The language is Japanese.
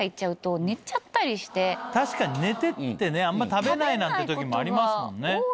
確かに寝ててあんま食べないなんて時もありますもんね。